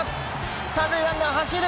３塁ランナー、走る！